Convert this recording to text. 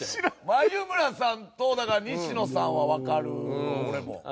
眉村さんとだから西野さんはわかるわ俺もうん。